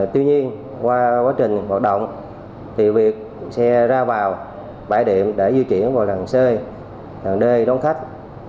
tuy nhiên qua quá trình hoạt động thì việc xe ra vào bãi điểm để di chuyển vào làng c làng d đón khách